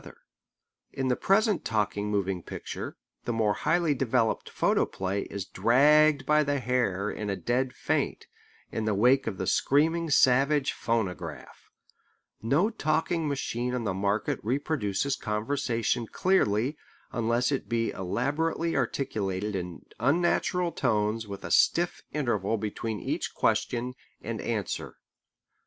Both cannot rule. In the present talking moving picture the more highly developed photoplay is dragged by the hair in a dead faint, in the wake of the screaming savage phonograph. No talking machine on the market reproduces conversation clearly unless it be elaborately articulated in unnatural tones with a stiff interval between each question and answer.